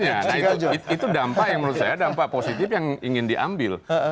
nah itu dampak yang menurut saya dampak positif yang ingin diambil